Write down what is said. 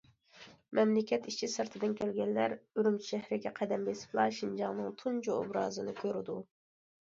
مەملىكەت ئىچى، سىرتىدىن كەلگەنلەر ئۈرۈمچى شەھىرىگە قەدەم بېسىپلا شىنجاڭنىڭ تۇنجى ئوبرازىنى كۆرىدۇ.